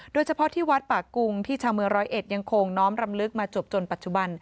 โดยเฉพาะที่วัดป่ากุงที่ชาวเมืองร้อยเอ็ดยังคงน้อมรำลึกมาจบจนปัจจุบัน